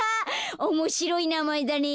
おもしろいなまえだね。